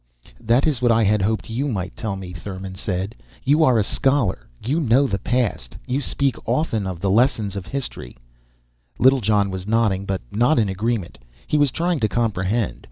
"That is what I had hoped you might tell me," Thurmon said. "You are a scholar. You know the past. You speak often of the lessons of history " Littlejohn was nodding, but not in agreement. He was trying to comprehend.